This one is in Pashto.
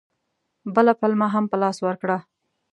بله پلمه هم په لاس ورکړه.